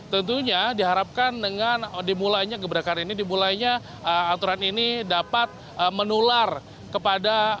tentunya diharapkan dengan dimulainya gebrakan ini dimulainya aturan ini dapat menular kepada